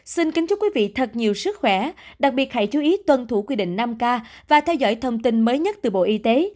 xin kính chúc quý vị thật nhiều sức khỏe đặc biệt hãy chú ý tuân thủ quy định năm k và theo dõi thông tin mới nhất từ bộ y tế